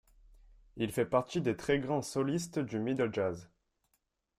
Il fait partie des très grands solistes du middle jazz.